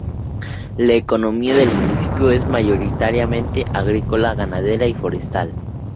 La economía del municipio es mayoritariamente agrícola, ganadera y forestal.